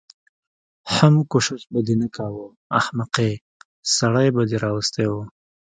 حم کوشش به دې نه کوه احمقې سړی به دې راوستی و.